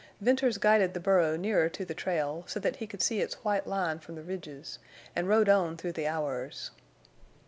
Venters guided the burro nearer to the trail, so that he could see its white line from the ridges, and rode on through the hours.